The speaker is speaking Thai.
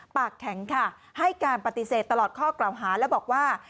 ปากแข็งค่ะให้การปฏิเสธตลอดข้อกล่าวหาแล้วบอกว่า